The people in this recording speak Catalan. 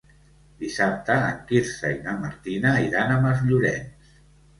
Dissabte en Quirze i na Martina iran a Masllorenç.